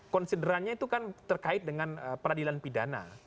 konsiderannya itu kan terkait dengan peradilan pidana